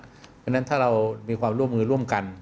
เพราะฉะนั้นถ้าเรามีความร่วมมือร่วมกัน